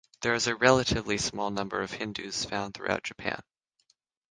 There is a relatively small number of Hindus found throughout Japan.